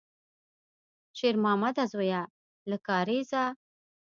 شېرمامده زویه، له کارېزه!